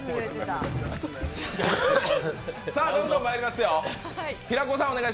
どんどんまいりますよ。